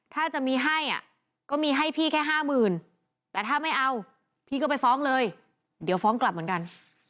ถ้าจะมีให้ก็มีให้พี่แค่ห้าหมื่นแต่ถ้าไม่เอาพี่ก็ไปฟ้องเลยเดี๋ยวฟ้องกลับเหมือนกัน